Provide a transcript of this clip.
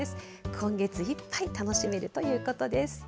今月いっぱい楽しめるということです。